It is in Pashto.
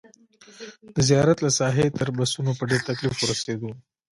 د زیارت له ساحې تر بسونو په ډېر تکلیف ورسېدو.